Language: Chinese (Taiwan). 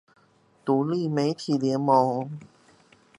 獨立媒體聯盟